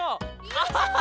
アハハハ！